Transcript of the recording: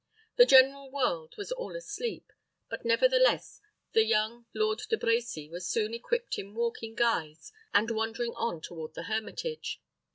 The general world was all asleep; but, nevertheless, the young Lord De Brecy was soon equipped in walking guise and wandering on toward the hermitage.